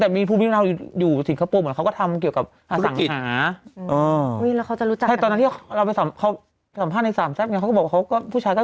แต่ของอ้าวแต่ของคุณเซฟอะคุณเซฟน่ะคุณเซฟน่ะน่ะ